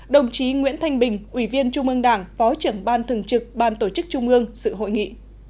đồng chí nguyễn thanh bình ủy viên trung ương đảng phó trưởng ban thường trực ban tổ chức trung ương sự hội nghị